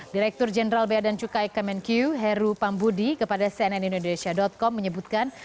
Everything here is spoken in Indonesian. direktur jenderal beadaan cukai kemenku heru pambudi kepada cnnindonesia com menyebutkan